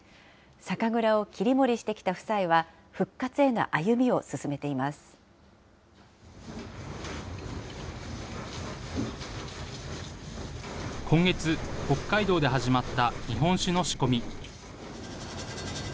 酒蔵を切り盛りしてきた夫妻は、今月、北海道で始まった日本酒の仕込み。